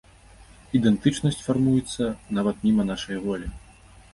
Ідэнтычнасць фармуецца, нават міма нашае волі.